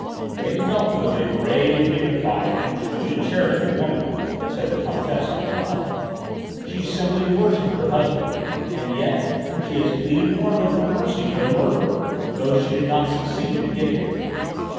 "Lady Beltham is a brave, dignified, and truly charitable woman," said the Comtesse de Baral. "She simply worshipped her husband. And yet, she pleaded warmly for mercy for the murderer though she did not succeed in getting it."